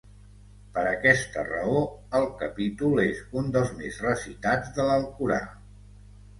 Per aquesta raó, el capítol és un dels més recitats de l'Alcorà.